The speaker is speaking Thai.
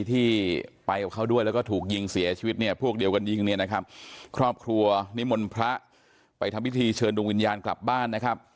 ที่เศียร์พลังมาเจินเต็มโรงวิญญาณกลับบ้าน